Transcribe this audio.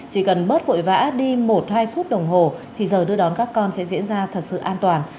chỉ cần bớt vội vã đi một hai phút đồng hồ thì giờ đưa đón các con sẽ diễn ra thật sự an toàn